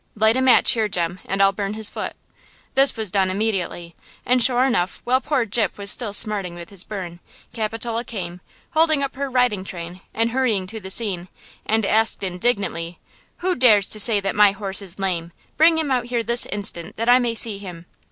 Light a match here, Jem, and I'll burn his foot." This was done immediately. And, sure enough, while poor Gyp was still smarting with his burn, Capitola came, holding up her riding train and hurrying to the scene, and asking indignantly: "Who dares to say that my horse is lame? Bring him out here this instant, that I may see him!"